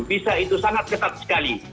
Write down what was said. bisa itu sangat ketat sekali